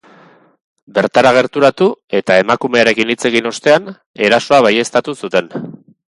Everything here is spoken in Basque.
Bertara gerturatu eta emakumearekin hitz egin ostean, erasoa baieztatu zuten.